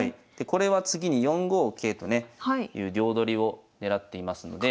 これは次に４五桂とねいう両取りを狙っていますので。